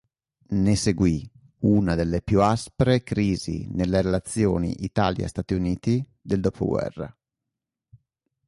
Ne seguì una delle più aspre crisi nelle relazioni Italia-Stati Uniti del dopoguerra.